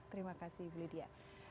terima kasih ibu lydia